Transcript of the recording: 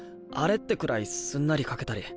ってくらいすんなり描けたり。